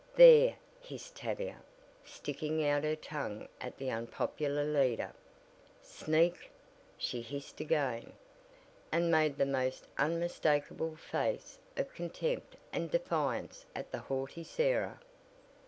"There," hissed Tavia, sticking out her tongue at the unpopular leader. "Sneak!" she hissed again, and made the most unmistakable face of contempt and defiance at the haughty Sarah.